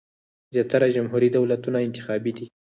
زیاتره جمهوري دولتونه انتخابي دي.